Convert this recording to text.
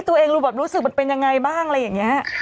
ตัวเองรู้แบบรู้สึกมันเป็นยังไงบ้างอะไรอย่างนี้